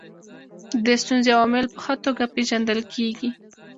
د دې ستونزې عوامل په ښه توګه پېژندل کیږي.